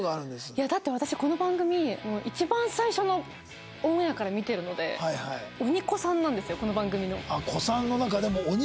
いやだって私この番組一番最初のオンエアから見てるので鬼古参なんですよこの番組の。ああ古参の中でも鬼だという？